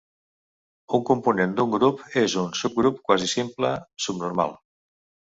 Un component d'un grup és un subgrup quasisimple subnormal.